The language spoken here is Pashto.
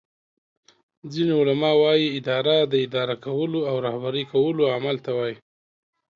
ځینی علما وایې اداره داداره کولو او رهبری کولو عمل ته وایي